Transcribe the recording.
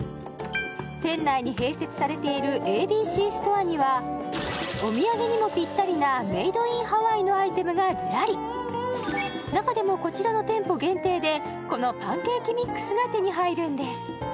店内に併設されているＡＢＣストアにはお土産にもぴったりな中でもこちらの店舗限定でこのパンケーキミックスが手に入るんです